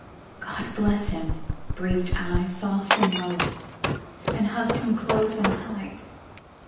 "God bless him," breathed I soft and low, And hugged him close and tight.